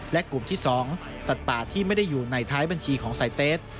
และกลุ่มที่๒สัตว์ป่าที่ไม่ได้อยู่ในท้ายบัญชีของไซเตส